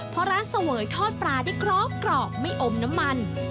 เพราะร้านเสวยทอดปลาได้กรอบไม่อมน้ำมัน